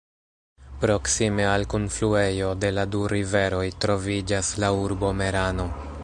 Proksime al kunfluejo de la du riveroj, troviĝas la urbo Merano.